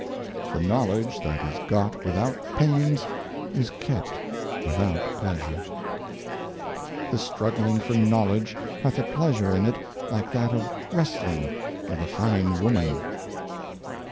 ^. The Knowledge that is got without Pains, is kept without Pleasure. The Struggling for Knowledge hath a Pleasure in it like that of Wrestling with a fine Woman.